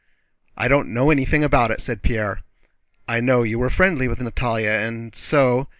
"I don't know anything about it," said Pierre. "I know you were friendly with Natalie, and so...